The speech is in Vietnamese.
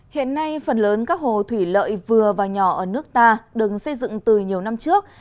hiện nay phần lớn các hồ thủy lợi vừa và nhỏ ở nước ta đừng xây dựng từ nhiều năm trước